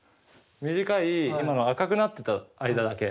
短い今の赤くなってた間だけ。